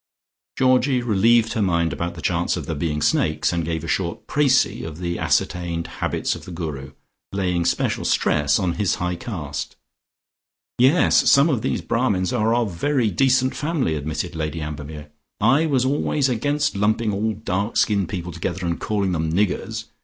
'" Georgie relieved her mind about the chance of there being snakes, and gave a short precis of the ascertained habits of the Guru, laying special stress on his high caste. "Yes, some of these Brahmins are of very decent family," admitted Lady Ambermere. "I was always against lumping all dark skinned people together and calling them niggers.